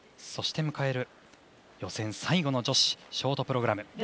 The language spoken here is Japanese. そして迎える予選最後の女子ショートプログラム。